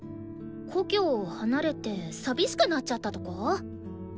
故郷を離れて寂しくなっちゃったとか？